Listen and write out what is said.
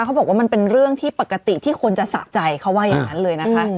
เขาบอกว่ามันเป็นเรื่องที่ปกติที่คนจะสะใจเขาว่าอย่างนั้นเลยนะคะ